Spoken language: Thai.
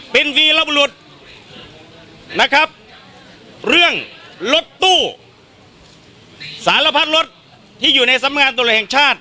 เป็นนะครับเรื่องรถตู้สารพันธุ์รถที่อยู่ในสำงานตลอดแห่งชาติ